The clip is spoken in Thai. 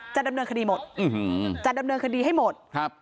จะดำเนินคดีหมดจะดำเนินคดีให้หมดครับ